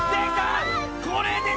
これですよ！